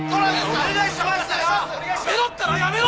やめろったらやめろ！